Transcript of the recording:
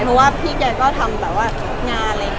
เพราะว่าพี่แกก็ทำแบบว่างานอะไร